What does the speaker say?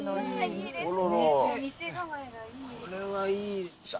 いいですね。